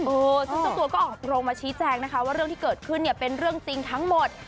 ซึ่งเจ้าตัวก็ออกโรงมาชี้แจงนะคะว่าเรื่องที่เกิดขึ้นเนี่ยเป็นเรื่องจริงทั้งหมด